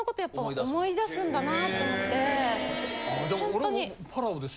俺も。